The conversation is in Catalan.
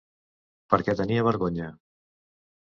Per què tenia vergonya...